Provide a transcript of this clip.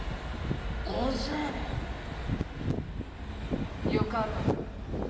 ５０人⁉よかろう。